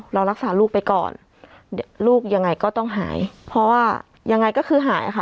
เรารักษาลูกไปก่อนลูกยังไงก็ต้องหายเพราะว่ายังไงก็คือหายค่ะ